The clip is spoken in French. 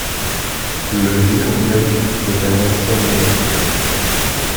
Le Wirberg est un ancien monastère.